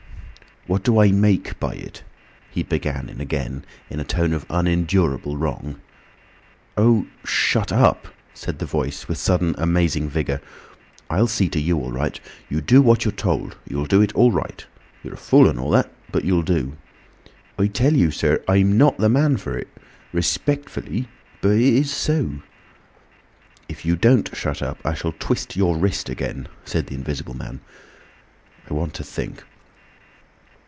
"What do I make by it?" he began again in a tone of unendurable wrong. "Oh! shut up!" said the Voice, with sudden amazing vigour. "I'll see to you all right. You do what you're told. You'll do it all right. You're a fool and all that, but you'll do—" "I tell you, sir, I'm not the man for it. Respectfully—but it is so—" "If you don't shut up I shall twist your wrist again," said the Invisible Man. "I want to think."